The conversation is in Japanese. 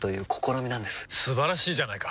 素晴らしいじゃないか！